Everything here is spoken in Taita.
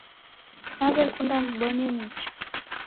Naw'ekunda nibonye nicha